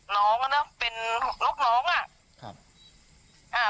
น้องเป็นลูกน้องอ่ะ